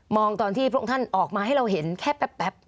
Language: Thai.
ตอนที่พระองค์ท่านออกมาให้เราเห็นแค่แป๊บ